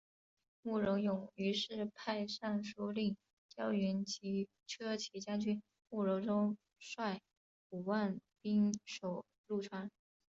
慕容永于是派尚书令刁云及车骑将军慕容钟率五万兵守潞川。